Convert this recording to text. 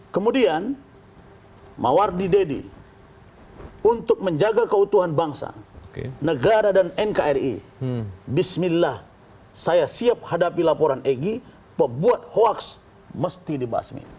kemudian mawardi deddy untuk menjaga keutuhan bangsa negara dan nkri bismillah saya siap hadapi laporan egy pembuat hoaks mesti dibasmi